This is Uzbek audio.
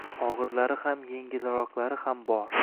Og`irlari ham, engilroqlari ham bor